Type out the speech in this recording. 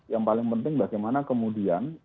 yang paling penting bagaimana kemudian